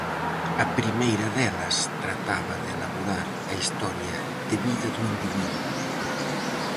A primeira delas trataba de elaborar a historia de vida do individuo.